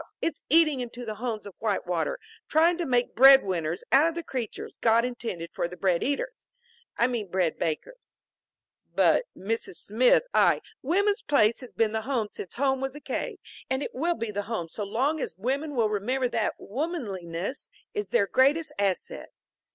It's eating into the homes of Whitewater, trying to make breadwinners out of the creatures God intended for the bread eaters I mean bread bakers." "But, Mrs. Smith, I " "Woman's place has been the home since home was a cave, and it will be the home so long as women will remember that womanliness is their greatest asset.